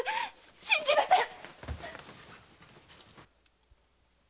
信じません！